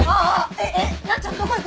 えっえっなっちゃんどこ行くの？